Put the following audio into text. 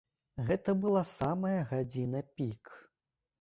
Гэта была самая гадзіна пік.